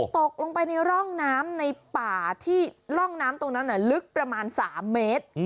ตกลงไปในร่องน้ำในป่าที่ร่องน้ำตรงนั้นลึกประมาณ๓เมตร